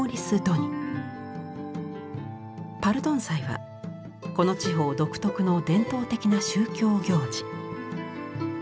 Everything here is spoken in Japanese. パルドン祭はこの地方独特の伝統的な宗教行事。